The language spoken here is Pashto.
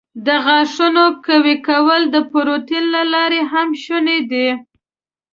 د غاښونو قوي کول د پروټین له لارې هم شونی دی.